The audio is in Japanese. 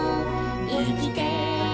「いきてる